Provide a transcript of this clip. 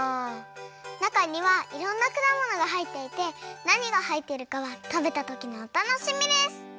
なかにはいろんなくだものがはいっていてなにがはいってるかはたべたときのおたのしみです！